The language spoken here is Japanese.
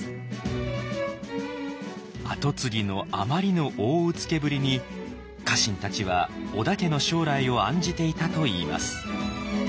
跡継ぎのあまりの大うつけぶりに家臣たちは織田家の将来を案じていたといいます。